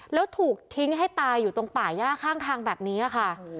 แล้วถูกทิ้งให้ตายอยู่ตรงป่าย่าข้างทางแบบนี้ค่ะ